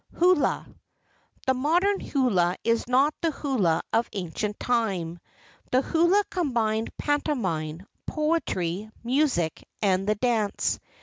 HULA The modern hula is not the hula of ancient time. The hula combined pantomime, poetry, music, and the dance.